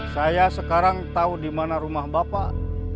saya sekarang tahu dimana rumah bapak